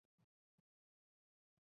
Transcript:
布尔拉斯蒂克。